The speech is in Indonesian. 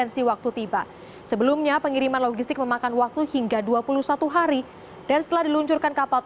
suatu pengiriman yang besar